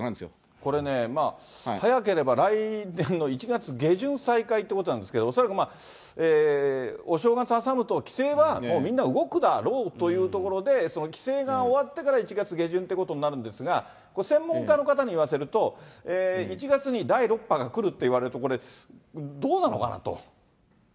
これね、早ければ来年の１月下旬再開ということなんですけど、恐らくお正月挟むと、帰省はもうみんな動くだろうというところで、その帰省が終わってから、１月下旬っていうことになるんですが、専門家の方に言わせると、１月に第６波が来るっていわれるとこれ、どうなのかなと。